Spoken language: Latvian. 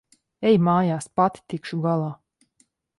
Ej mājās. Pati tikšu galā.